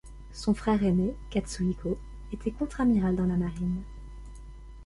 Son frère ainé Katsuhiko était contre-amiral dans la marine.